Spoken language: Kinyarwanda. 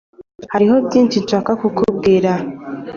Hariho byinshi nshaka kukubwira.